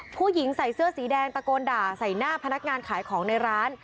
ผู้หญิงใส่เสื้อสีแดงตะโกนด่าใส่หน้าพนักงานขายของในร้าน